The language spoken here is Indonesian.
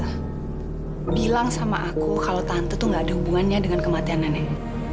saya bilang sama aku kalau tante tuh gak ada hubungannya dengan kematian nenek